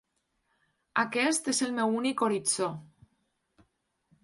Aquest és el meu únic horitzó.